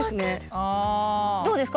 あどうですか？